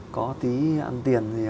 có tí ăn tiền gì không